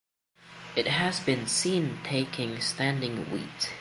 It has been seen taking standing wheat.